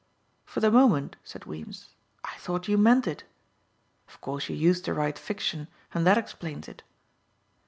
"For the moment," said Weems, "I thought you meant it. Of course you used to write fiction and that explains it."